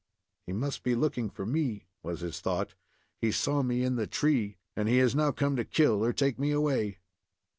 "He must be looking for me," was his thought. "He saw me in the tree, and he has now come to kill or take me away."